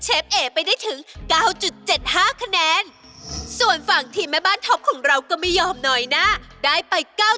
เจ็บที่แบบเหมือนต้องไปทานที่พระธาคานะพี่กาว